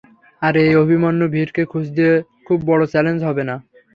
আর এই আভিমান্যু ভীরকে খুঁজতে খুব বড় চ্যালেঞ্জ হবে না।